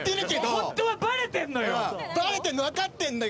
ホントはバレてんのよ！